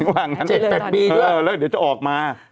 แล้วเดี๋ยวจะออกมา